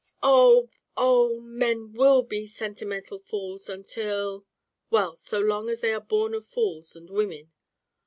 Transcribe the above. "Oh! Oh! Men will be sentimental fools until well, so long as they are born of fools and women.